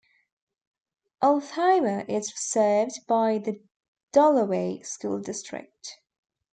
Altheimer is served by the Dollarway School District.